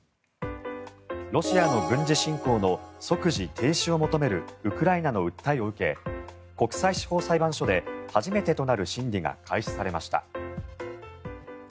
ロシアの軍事侵攻の即時停止を求めるウクライナの訴えを受け国際司法裁判所で初めてとなる審理が開始されました。